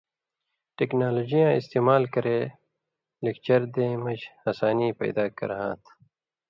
ٹیکنالوجی یاں استعمال کرے لېکچر دېں مژ ہسانی پیدا کرہاں تھہ۔